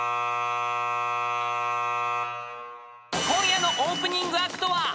［今夜のオープニングアクトは］